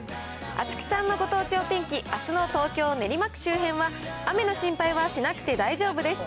あつきさんのご当地お天気、あすの東京・練馬区周辺は、雨の心配はしなくて大丈夫です。